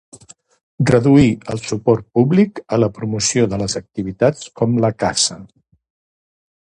Reduir el suport públic a la promoció de les activitats com la caça.